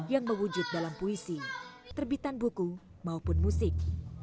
yang mewujud dalam puisi terbitan buku maupun musik